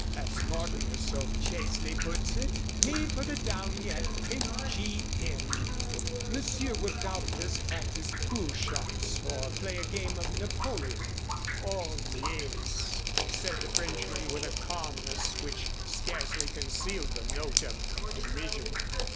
As Mortimer so chastely puts it, 'me for the downy at 10 G. M.' Monsieur will doubtless practice pool shots or play a game of Napoleon." "Oh, yes," said the Frenchman, with a calmness which scarcely concealed the note of derision.